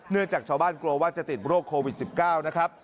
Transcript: จากชาวบ้านกลัวว่าจะติดโรคโควิด๑๙นะครับ